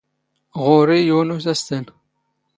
ⵖⵓⵔⵉ ⵢⵓⵏ ⵓⵙⴰⵙⵜⴰⵏ.